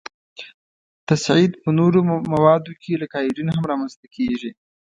تصعید په نورو موادو کې لکه ایودین هم را منځ ته کیږي.